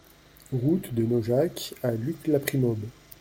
Route de Naujac à Luc-la-Primaube